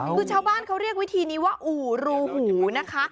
คือชาวบ้านเขาเรียกวิธีนี้ว่าอู่รูหูนะคะ